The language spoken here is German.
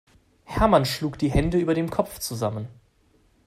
Hermann schlug die Hände über dem Kopf zusammen.